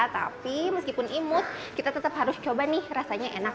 tapi meskipun imut kita tetap harus coba nih rasanya enak